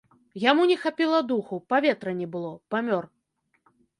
Яму не хапіла духу, паветра не было, памёр.